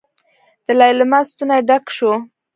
د ليلما ستونی ډک شو.